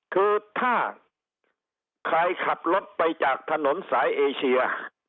คือถ้าใครขับรถไปจากถนนสายเอเชีย